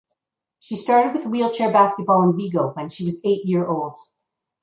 She started with wheelchair basketball in Vigo when she was eight year old.